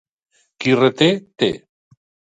Qui reté, té.